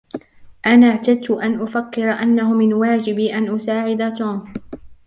أنا اعتدت أن أفكر أنه من واجبي أن أساعد توم.